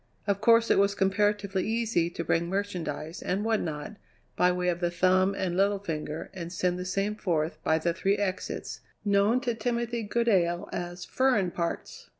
Of course it was comparatively easy to bring merchandise, and what not, by way of the thumb and little finger and send the same forth by the three exits, known to Timothy Goodale as "furrin parts."